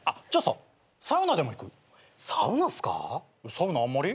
サウナあんまり？